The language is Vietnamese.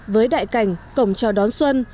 với đại cảnh cổng trò đón xuân